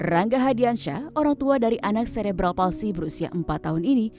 rangga hadiansyah orang tua dari anak serebral palsi berusia empat tahun ini